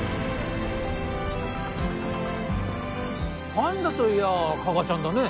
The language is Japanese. パンダといやあ加賀ちゃんだね。